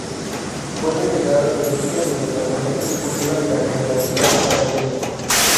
Fue delegada del Libro del Departamento de Cultura de la Generalidad de Cataluña.